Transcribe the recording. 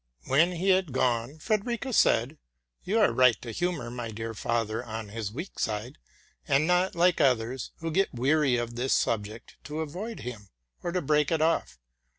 When he had gone, Frederica said, '' You are right to humor my dear father on his weak side, and not, like others, who get weary of this subject, to avoid him, or to break it off.